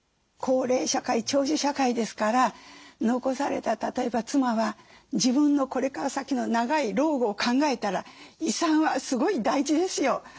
高齢社会長寿社会ですから残された例えば妻は自分のこれから先の長い老後を考えたら遺産はすごい大事ですよ。